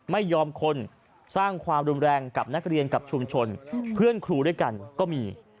ไม่ยอมคนสร้างความรุนแรงกับนักเรียนกับชุมชนเพื่อนครูด้วยกันก็มี